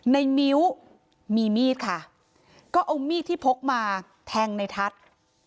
ในมิ้วมีมีดค่ะก็เอามีดที่พกมาแทงในทัศน์